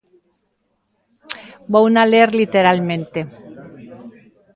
Vouna ler literalmente.